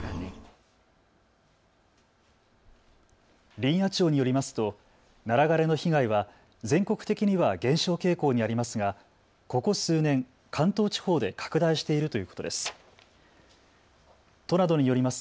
林野庁によりますと、ナラ枯れの被害は全国的には減少傾向にありますが、ここ数年、関東地方で拡大しているということです。